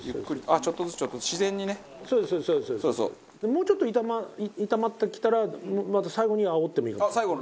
もうちょっと炒まってきたらまた最後に煽ってもいいかも。